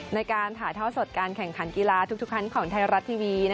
ในการถ่ายท่อสดการแข่งขันกีฬาทุกครั้งของไทยรัฐทีวี